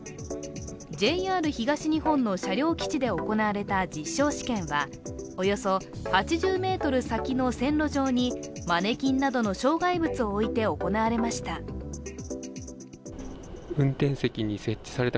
ＪＲ東日本の車両基地で行われた実証試験はおよそ８０ｍ先の線路上にマネキンなどの障害物を置いて行われました。